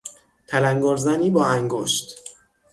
تلنگرزنی با انگشت